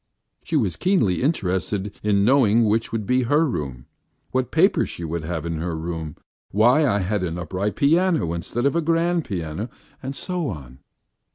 She was keenly interested in knowing which would be her room, what paper she would have in the room, why I had an upright piano instead of a grand piano, and so on.